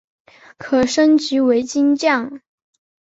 可升级为金将。